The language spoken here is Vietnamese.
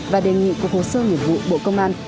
và đề nghị cục hồ sơ nhiệm vụ bộ công an